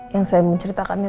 yang saya menceritakannya